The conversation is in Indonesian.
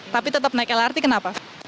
tapi tetap naik lrt kenapa